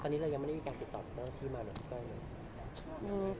ตอนนี้เรายังไม่ได้มีการติดต่อพี่มาเหมือนกันเลย